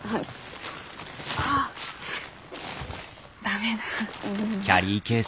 ああ駄目だ。